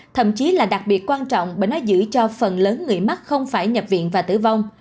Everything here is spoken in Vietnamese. thậm chí là đặc biệt quan trọng bởi nó giữ cho phần lớn người mắc không phải nhập viện và tử vong